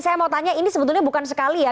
saya mau tanya ini sebetulnya bukan sekali ya